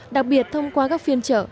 đặc biệt thông qua các phiên trợ